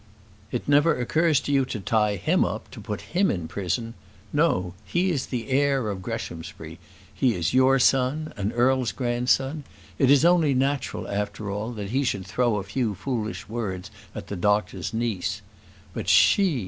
"It never occurs to you to tie him up, to put him in prison. No; he is the heir of Greshamsbury; he is your son, an earl's grandson. It is only natural, after all, that he should throw a few foolish words at the doctor's niece. But she!